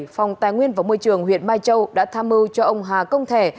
phòng tài nguyên và môi trường huyện mai châu đã tham mưu cho ông hà công thẻ